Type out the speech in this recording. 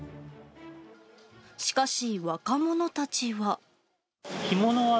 しかし、若者たちは。